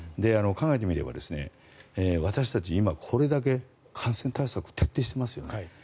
考えてみれば私たち、今これだけ感染対策を徹底していますよね。